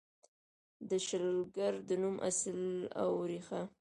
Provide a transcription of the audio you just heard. د شلګر د نوم اصل او ریښه: